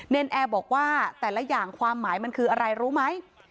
นแอร์บอกว่าแต่ละอย่างความหมายมันคืออะไรรู้ไหม